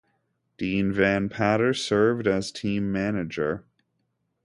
Dean Van Patter served as team manager.